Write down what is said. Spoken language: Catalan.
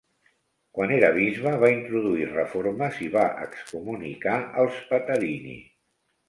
Quan era bisbe va introduir reformes i va excomunicar els Patarini.